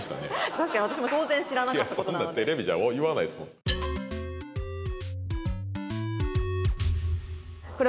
確かに私も当然知らなかったいや